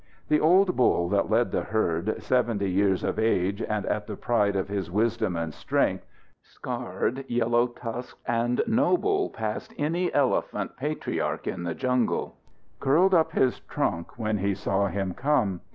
The old bull that led the herd, seventy years of age and at the pride of his wisdom and strength, scarred, yellow tusked and noble past any elephant patriarch in the jungle, curled up his trunk when he saw him come.